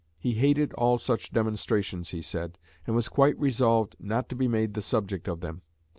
He hated all such demonstrations, he said, and was quite resolved not to be made the subject of them.